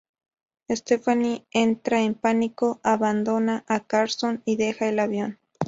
Stephanie entra en pánico, abandona a Carson y deja el avión.